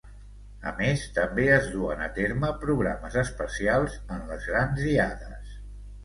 A més també es duen a terme programes especials en les grans diades.